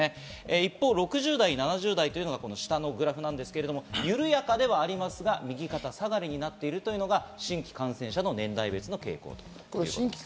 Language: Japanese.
一方、６０代・７０代というのは下のグラフですが、緩やかではありますが、右肩下がりになっているというのが新規感染者の年代別の傾向です。